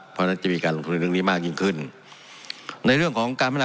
เพราะฉะนั้นจะมีการลงทุนเรื่องนี้มากยิ่งขึ้นในเรื่องของการพัฒนา